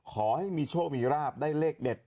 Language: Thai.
ขอให้มีโชคมีราบได้เลขเด็ด